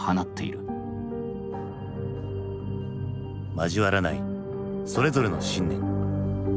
交わらないそれぞれの信念。